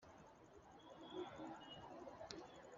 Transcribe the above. Impuha nizijure,